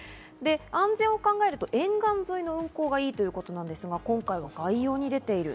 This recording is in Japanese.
安全を考えると沿岸沿いの運航がいいということなんですが、今回は外洋に出ている。